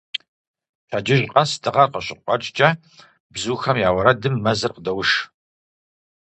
Пщэддыжь къэс, дыгъэр къыщыкъуэкӀкӀэ, бзухэм я уэрэдым мэзыр къыдоуш.